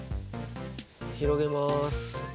広げます。